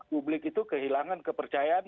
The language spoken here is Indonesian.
publik itu kehilangan kepercayaan